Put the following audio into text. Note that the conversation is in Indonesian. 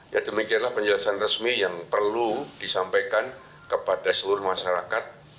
ya demikianlah penjelasan resmi yang perlu disampaikan kepada seluruh masyarakat